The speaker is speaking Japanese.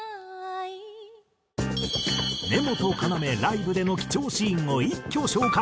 根本要ライブでの貴重シーンを一挙紹介！